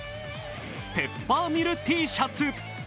ペッパーミルＴシャツ。